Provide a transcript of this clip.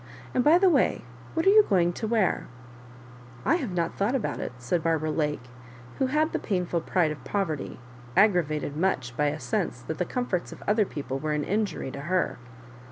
And, by the by, what are you go ing to wear ?"*" I have not thought about it,'' said Barbara, who had the painful pride of poverty, aggravated much by a sense that the comforts of other people were an injury to her.